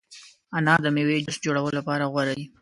انار د مېوې جوس جوړولو لپاره غوره دی.